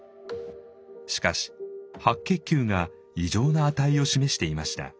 しかし白血球が異常な値を示していました。